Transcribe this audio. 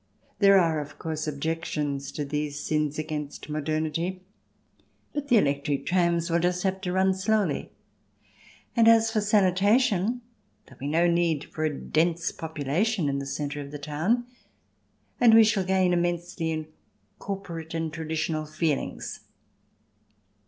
Thereare, of course, objections to these sins against modernity. But the electric trams will just have to run slowly. And as for sanitation, there will be no need for a dense population in the centre of the town. And we shall gain immensely in corporate and traditional feelings.